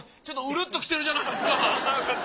ちょっとうるっときてるじゃないですか！